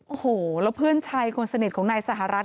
โอ้โหแล้วเพื่อนชายคนสนิทของนายสหรัฐ